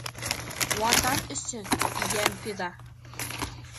Ватан өсөн йән фиҙа.